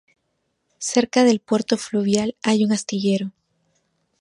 Cerca del puerto fluvial, hay un astillero.